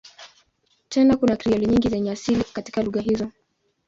Tena kuna Krioli nyingi zenye asili katika lugha hizo.